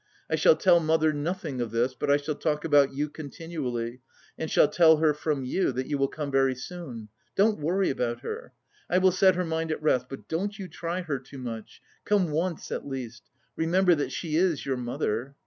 I shall tell mother nothing of this, but I shall talk about you continually and shall tell her from you that you will come very soon. Don't worry about her; I will set her mind at rest; but don't you try her too much come once at least; remember that she is your mother.